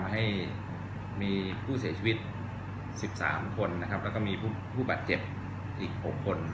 ให้มีผู้เสียชีวิต๑๓คนนะครับแล้วก็มีผู้บาดเจ็บอีก๖คน